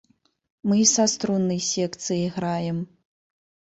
Мы і са струннай секцыяй граем.